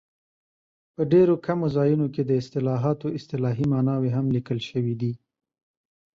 په ډېرو کمو ځایونو کې د اصطلاحاتو اصطلاحي ماناوې هم لیکل شوي دي.